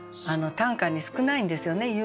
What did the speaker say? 短歌に少ないんですよね